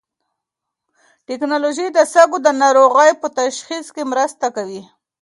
ټېکنالوژي د سږو د ناروغۍ په تشخیص کې مرسته کوي.